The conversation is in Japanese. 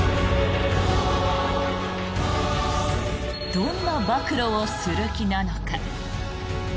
どんな暴露をする気なのか。